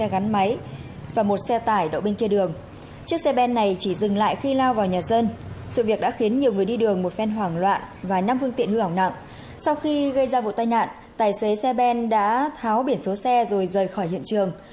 khi gây ra vụ tai nạn tài xế xe ben đã tháo biển số xe rồi rời khỏi hiện trường